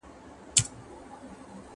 ¬ په شيدو سوځلی مستې پو کي.